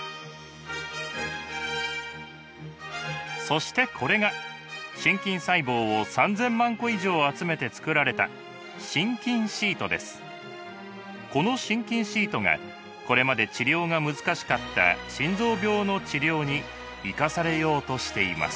そしてこれが心筋細胞を３，０００万個以上集めてつくられたこの心筋シートがこれまで治療が難しかった心臓病の治療に生かされようとしています。